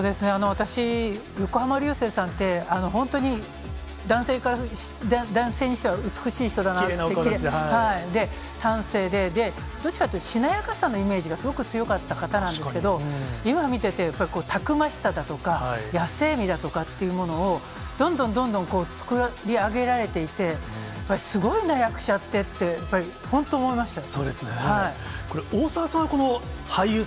私、横浜流星さんって、本当に男性にしては美しい人だなって、端正で、どっちかっていうと、しなやかさのイメージがすごく強かった方なんですけど、今見てて、たくましさだとか、野性味だとかっていうものを、どんどんどんどん作り上げられていて、すごいな役者ってって、やっぱり本当思いましたね。